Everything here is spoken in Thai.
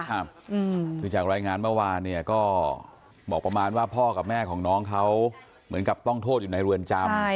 คือจากรายงานเมื่อวานเนี่ยก็บอกประมาณว่าพ่อกับแม่ของน้องเขาเหมือนกับต้องโทษอยู่ในเรือนจำ